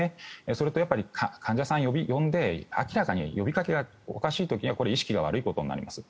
それと患者さんを呼んで明らかに呼びかけがおかしい時は意識が悪いことになります。